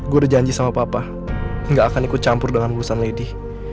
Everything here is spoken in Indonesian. gue udah janji sama papa gak akan ikut campur dengan urusan lady